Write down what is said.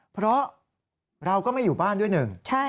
เพราะเราก็ไม่อยู่บ้านด้วยหนึ่ง